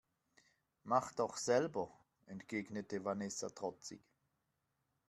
Mach doch selber, entgegnete Vanessa trotzig.